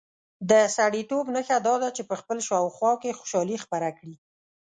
د سړیتوب نښه دا ده چې په خپل شاوخوا کې خوشالي خپره کړي.